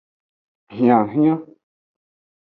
Hianhian.